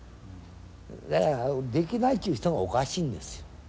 だからできないっちゅう人がおかしいんですよ。